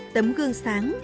tấm gương sáng